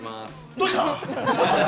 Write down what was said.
どうした？